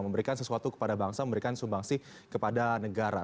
memberikan sesuatu kepada bangsa memberikan sumbangsi kepada negara